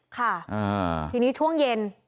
ค่ะทีนี้ช่วงเย็น